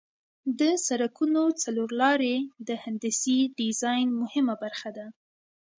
د سرکونو څلور لارې د هندسي ډیزاین مهمه برخه ده